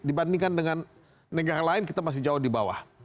dibandingkan dengan negara lain kita masih jauh di bawah